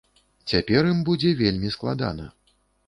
Цяпер ім будзе вельмі складана.